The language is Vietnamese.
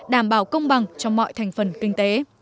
đảm bảo công bằng cho mọi thành phần kinh tế